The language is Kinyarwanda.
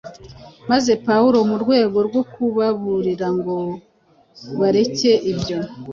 maze Pawulo mu rwego rwo kubaburira ngo bareke ibyo